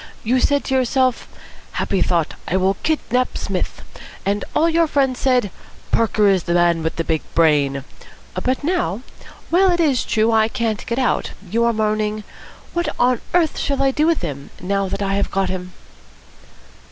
You said to yourself, 'Happy thought, I will kidnap Psmith!' and all your friends said, 'Parker is the man with the big brain!' But now, while it is true that I can't get out, you are moaning, 'What on earth shall I do with him, now that I have got him?'"